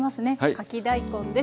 かき大根です。